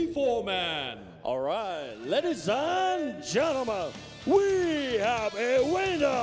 โปรดติดตามต่อไป